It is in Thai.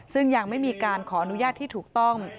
ซึ่งยังไม่มีการขออนุญาตที่ถูกต้อง